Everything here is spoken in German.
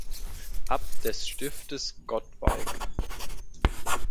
Abt des Stiftes Göttweig.